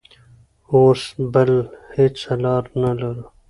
اوس بله هېڅ لار نه لرو.